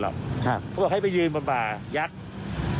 เพราะว่าให้ไปยีนบนบ่ายักษ์